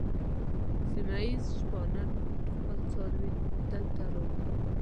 سیمه ییز شپانه خپل څاروي دلته راوړي.